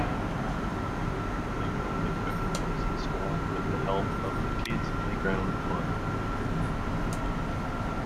New playground equipment was installed with the help of the Kids Playground Fund.